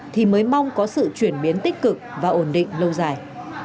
thì mới mong có sự chuyển biến tích cực và ổn định lâu dài